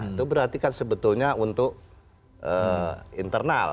itu berarti kan sebetulnya untuk internal